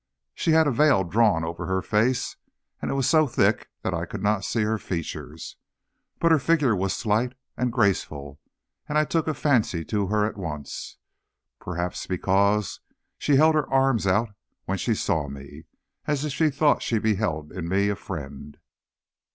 She had a veil drawn over her face, and it was so thick that I could not see her features, but her figure was slight and graceful, and I took a fancy to her at once, perhaps because she held her arms out when she saw me, as if she thought she beheld in me a friend.